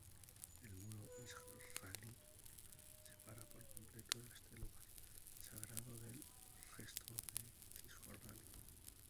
El muro israelí separa por completo este lugar sagrado del resto de Cisjordania.